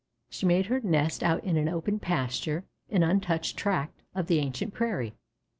She made her nest out in an open pasture, an untouched tract of the ancient prairie.